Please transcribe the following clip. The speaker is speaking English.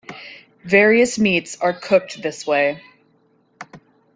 Various meats are cooked this way.